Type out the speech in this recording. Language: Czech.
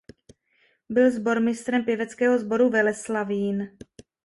Byl sbormistrem pěveckého sboru "Veleslavín".